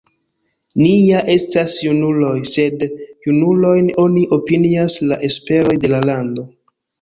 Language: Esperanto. Ni ja estas junuloj, sed junulojn oni opinias la esperoj de la lando!